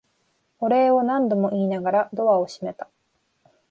お礼を何度も言いながらドアを閉めた。